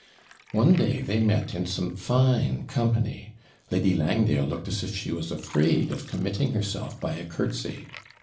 One day they met in some fine company Lady Langdale looked as if she was afraid of committing herself by a curtsy.